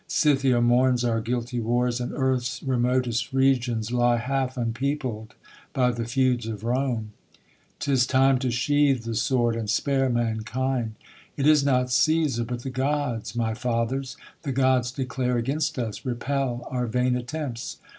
Scythia mourns Our guilty wars, and earth's remotest regions Lie half unpeopled by the feuds of Rome. 'Tis thne to sheathe the sword, and sparp .mankind. U is not Cesar, but the gods, my fathers J The gods declare against us ; repel Our vain attempts.